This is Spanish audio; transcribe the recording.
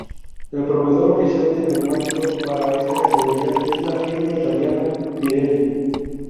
El proveedor oficial de neumáticos para esta categoría es la firma italiana Pirelli.